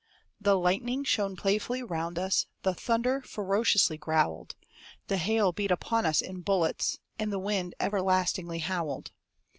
The lightning shone playfully round us; The thunder ferociously growled; The hail beat upon us in bullets; And the wind everlastingly howled.